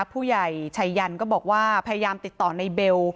ผู้ใหญ่ชัยยันก็บอกว่าพยายามติดต่อในเบล